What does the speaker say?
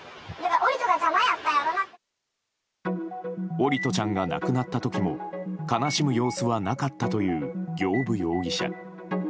桜利斗ちゃんが亡くなった時も悲しむ様子はなかったという行歩容疑者。